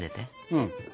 うん。